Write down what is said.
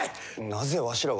なぜわしらが。